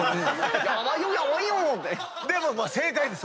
でも正解です。